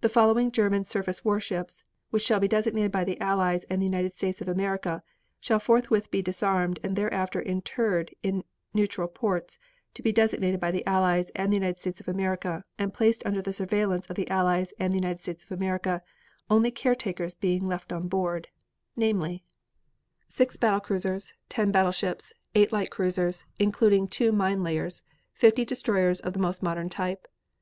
23. The following German surface warships which shall be designated by the Allies and the United States of America shall forthwith be disarmed and thereafter interned in neutral ports, to be designated by the Allies and the United States of America and placed under the surveillance of the Allies and the United States of America, only caretakers being left on board, namely: Six battle cruisers, ten battleships, eight light cruisers, including two mine layers, fifty destroyers of the most modern type.